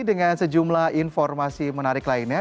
dengan sejumlah informasi menarik lainnya